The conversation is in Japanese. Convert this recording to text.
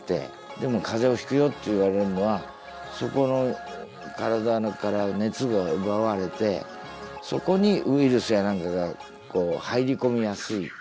でもかぜをひくよって言われるのはそこの体から熱が奪われてそこにウイルスや何かが入り込みやすい。